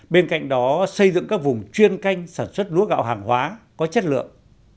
bên cạnh đó xây dựng các vùng chuyên canh sản xuất lúa gạo hàng hóa có chất lượng